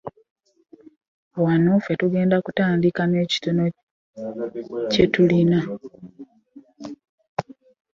Wano ffe tugenda kutandika n'ekyo ekitono kye tulina